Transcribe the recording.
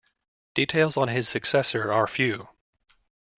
Details on his successor are few.